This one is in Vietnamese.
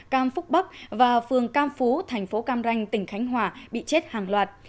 cam phúc bắc và phường cam phú thành phố cam ranh tỉnh khánh hòa bị chết hàng loạt